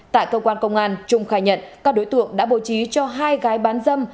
tại cơ quan công an trung khai nhận các đối tượng đã bổ trí cho hai gái bán dâm